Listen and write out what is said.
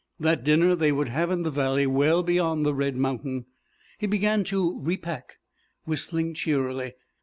That dinner they would have in the valley, well beyond the red mountain. He began to repack, whistling cheerily.